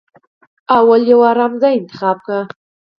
لومړی يو ارام ځای انتخاب کړئ.